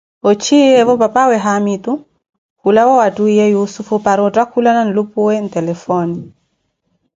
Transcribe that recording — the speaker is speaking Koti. ochiyeevo papawe haamitu kulawa wa twiiye yussufu para ottakhukana nlupuwe ntelefoone.